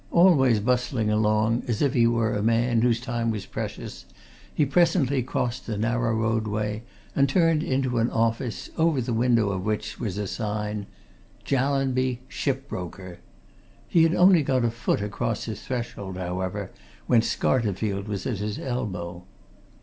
Always bustling along, as if he were a man whose time was precious, he presently crossed the narrow roadway and turned into an office, over the window of which was a sign "Jallanby, Ship Broker." He had only got a foot across his threshold, however, when Scarterfield was at his elbow.